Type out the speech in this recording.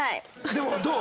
でもどう？